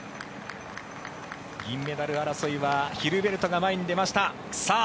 銀メダル争いはヒルベルトが前に出ました。